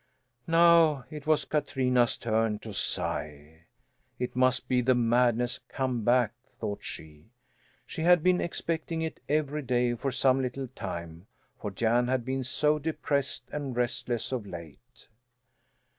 Now it was Katrina's turn to sigh! It must be the madness come back, thought she. She had been expecting it every day for some little time, for Jan had been so depressed and restless of late.